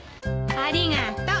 ありがと。